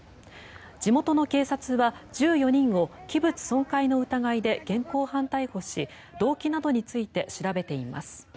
地元の警察は１４人を器物損壊の疑いで現行犯逮捕し動機などについて調べています。